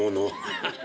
「ハハハ。